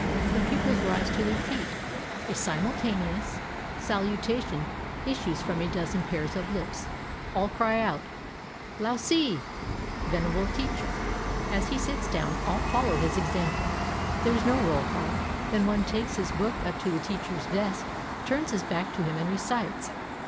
The pupils rise to their feet. A simultaneous salutation issues from a dozen pairs "of lips. All cry out, "Lao Se" (venerable teacher)! As he sits down, all fol low his example. There is no roll call. Then one takes his book up to the teacher's desk, turns his back to him and recites.